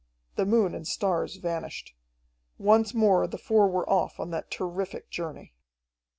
The moon and stars vanished. Once more the four were off on that terrific journey.